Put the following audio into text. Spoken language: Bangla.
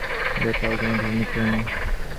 এরূপ আর কোন ধর্ম করে না।